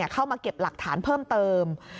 เข้ามาเก็บหลักฐานเพิ่มเติม